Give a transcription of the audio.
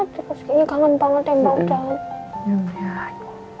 terus kayaknya kangen banget yang bau bau